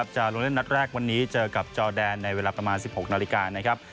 จะลงเล่นนัดแรกวันนี้เจอกับจอแดนในเวลาประมาณ๑๖นาฬิกานะครับ